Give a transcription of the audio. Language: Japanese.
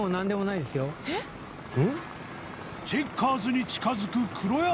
チェッカーズに近づく黒山の正体は。